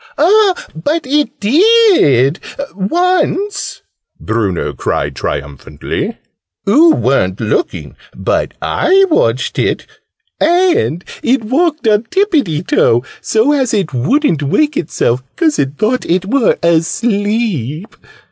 "Ah, but it did, once!" Bruno cried triumphantly. "Oo weren't looking but I watched it. And it walked on tippiety toe, so as it wouldn't wake itself, 'cause it thought it were asleep.